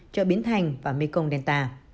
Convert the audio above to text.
chợ biến thành và mekong delta